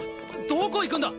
どこ行くんだ？